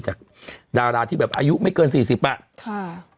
จากดาราที่แบบอายุไม่เกิน๔๐อ่ะ